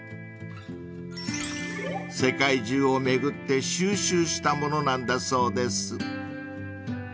［世界中を巡って収集したものなんだそうです］